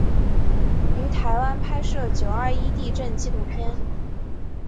于台湾拍摄九二一地震纪录片。